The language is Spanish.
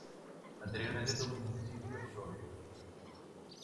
Anteriormente tuvo municipio propio.